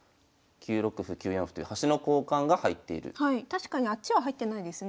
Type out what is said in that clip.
確かにあっちは入ってないですね。